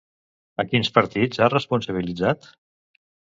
A quins partits ha responsabilitzat?